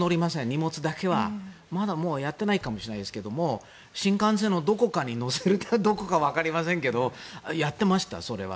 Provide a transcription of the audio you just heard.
荷物だけはもうやってないかもしれないですが新幹線のどこかに載せてどこかわかりませんがやっていました、それは。